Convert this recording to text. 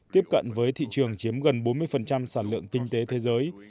tiếp cận với thị trường chiếm gần bốn mươi sản lượng kinh tế thế giới